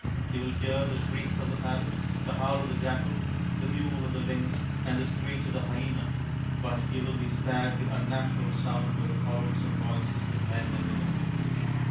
You will hear the shriek of the parrot, the howl of the jackal, the mewl of the lynx, and the screech of the hyena, but you will be spared the unnatural sound of the quarrelsome voices of men and women.